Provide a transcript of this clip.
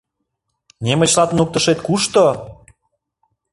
— Немычла туныктышет кушто?